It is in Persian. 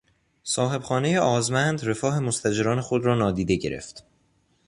صاحبخانه آزمند رفاه مستاجران خود را نادیده گرفت.